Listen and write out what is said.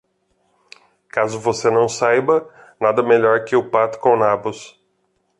Caso você não saiba, nada melhor que o pato com nabos.